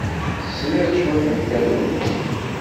Sriɣ cwiṭ n tallunt.